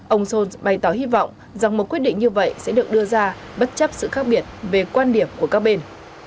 ông son bày tỏ hy vọng rằng một quyết định như vậy sẽ được đưa ra bất chấp sự khác biệt về quan điểm của các bên